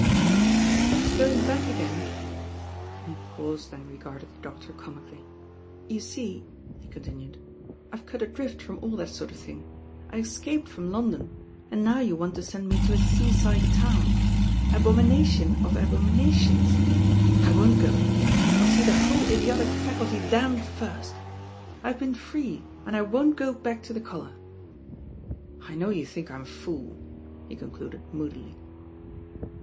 "But it's going back again " He paused and regarded the doctor comically. "You see," he con tinued, "I've cut adrift from aU that sort of thing. I escaped from London, and now you want to send ine to a seaside town^abomination of abomina ttons. I won't go. I'U see the whole idiotic Faculty danmed first. I've been free, and I won't go back to the collar. I know you think I'm a fool," he concluded moodily.